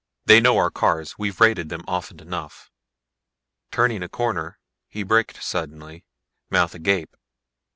They know our cars; we've raided them often enough." Turning a corner, he braked suddenly, mouth agape.